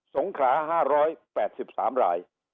สงขา๕๘๓ราย